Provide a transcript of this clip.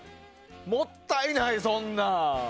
もったいない、そんなん。